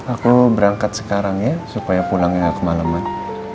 aku berangkat sekarang ya supaya pulangnya kemalaman